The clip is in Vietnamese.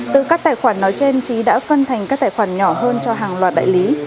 từ các tài khoản nói trên trí đã phân thành các tài khoản nhỏ hơn cho hàng loạt đại lý